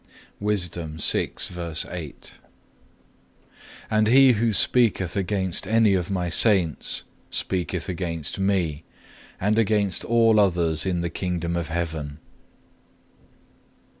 (6) And he who speaketh against any of My Saints speaketh against Me, and against all others in the Kingdom of Heaven."